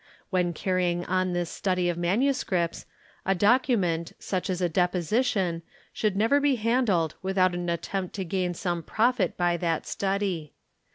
z hen carrying on this study of manuscripts a document such as a 4 eposition should never be handled without an attempt to gain some profit by that study.